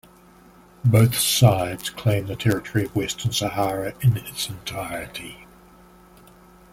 Both sides claim the territory of Western Sahara in its entirety.